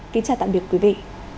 kính chào tạm biệt quý vị